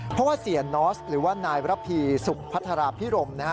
เพราะว่าเสียนอสหรือว่านายระพีสุขพัทราพิรม